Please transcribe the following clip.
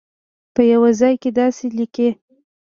په یوه ځای کې داسې لیکي.